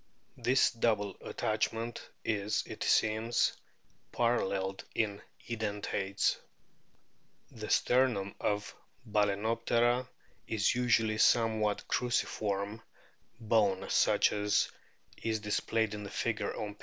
This double attachment is, it seems, paralleled in Edentates. The sternum of Bal&noptera is usually a somewhat cruciform bone such as is displayed in the figure on p.